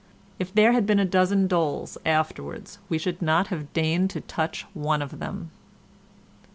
If there had been a dozen doles afterwards we should not have deigned to touch one of them.